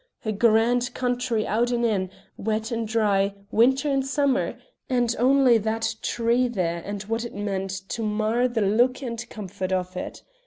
A grand country out and in, wet and dry, winter and summer, and only that tree there and what it meant to mar the look and comfort of it.